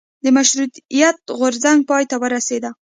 د مشروطیت غورځنګ پای ته ورسیده.